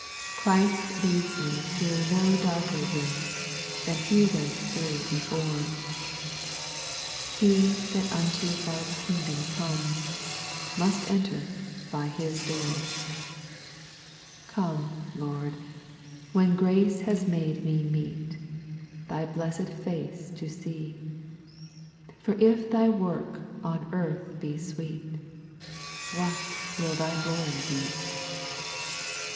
Christ leads me through no darker rooms Than He went through before ; He that unto God*s kingdom comes, Must enter by His door. 4. Come, Lord, when grace has made me meet Thy blessed face to see ; For if Thy work on earth be sweet, What will Thy glory be ?